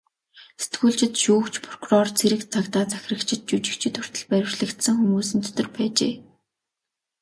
Сэтгүүлчид, шүүгч, прокурор, цэрэг цагдаа, захирагчид, жүжигчид хүртэл баривчлагдсан хүмүүсийн дотор байжээ.